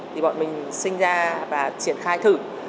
thì bọn mình sinh ra và triển khai thử